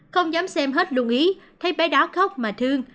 không dám xem hết lưu ý thấy bé đó khóc mà thương